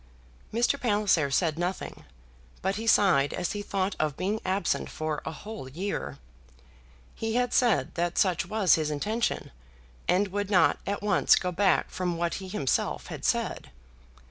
Mr. Palliser said nothing, but he sighed as he thought of being absent for a whole year. He had said that such was his intention, and would not at once go back from what he himself had said.